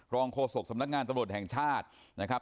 โฆษกสำนักงานตำรวจแห่งชาตินะครับ